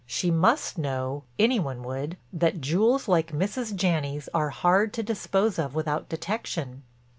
She must know—any one would—that jewels like Mrs. Janney's are hard to dispose of without detection."